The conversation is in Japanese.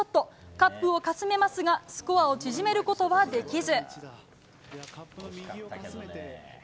カップをかすめますがスコアを縮めることはできず。